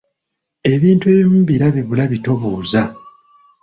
Ebintu ebimu birabe bulabi tobuuza.